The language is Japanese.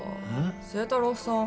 星太郎さん